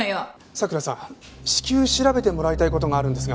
佐倉さん至急調べてもらいたい事があるんですが。